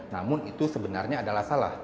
namun itu sebenarnya adalah salah